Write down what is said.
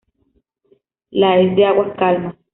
La es de aguas calmas.